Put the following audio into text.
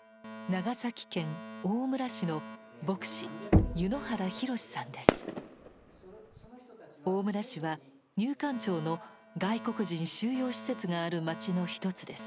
長崎県大村市の牧師大村市は入管庁の外国人収容施設がある町の一つです。